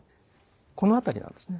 この辺りなんですね。